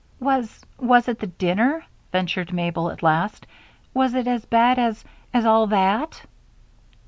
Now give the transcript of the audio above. "Was was it the dinner?" ventured Mabel, at last. "Was it as bad as as all that?"